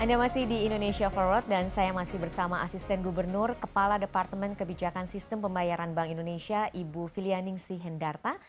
anda masih di indonesia forward dan saya masih bersama asisten gubernur kepala departemen kebijakan sistem pembayaran bank indonesia ibu filianing sih hendarta